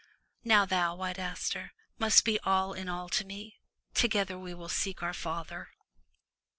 Now thou. White Aster, must be all in all to me. Together we will seek our father."